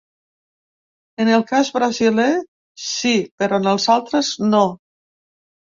En el cas brasiler, sí, però en els altres no.